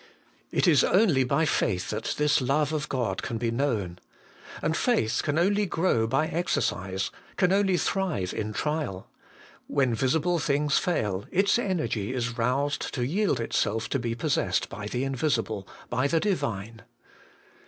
It is only by faith that this Love of God can be known. And faith can only grow by exercise, can only thrive in trial : when visible things fail, its energy is roused to yield itself to be possessed by the Invisible, by the Divine.